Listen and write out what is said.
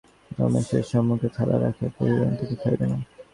রমেশের সম্মুখে থালা রাখিয়া কহিল, তুমি খাইবে না?